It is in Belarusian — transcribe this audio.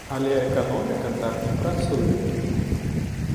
Але эканоміка так не працуе.